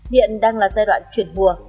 hiện đang là giai đoạn chuyển mùa